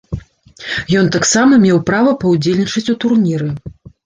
Ён таксама меў права паўдзельнічаць у турніры.